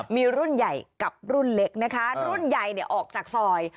มีรุ่นใหญ่กับรุ่นเล็กนะคะรุ่นใหญ่เนี่ยออกจากซอย